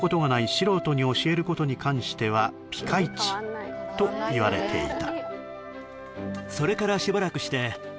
素人に教えることに関してはピカイチといわれていた